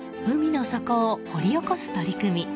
海の底を掘り起こす取り組み。